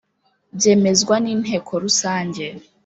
byemezwa n inteko rusange